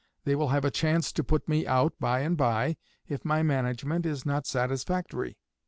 They will have a chance to put me out by and by if my management is not satisfactory."